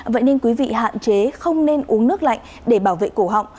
vậy nên quý vị hạn chế không nên uống nước lạnh để bảo vệ cổ họng